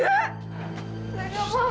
saya tidak mau